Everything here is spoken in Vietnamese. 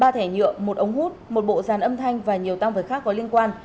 ba thẻ nhựa một ống hút một bộ dàn âm thanh và nhiều tăng vật khác có liên quan